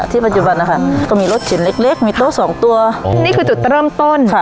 ปัจจุบันนะคะก็มีรถเข็นเล็กมีโต๊ะสองตัวนี่คือจุดเริ่มต้นค่ะ